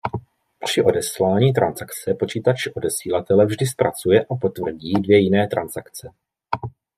Při odeslání transakce počítač odesílatele vždy zpracuje a potvrdí dvě jiné transakce.